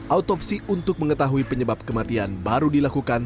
autopsi untuk mengetahui penyebab kematian baru dilakukan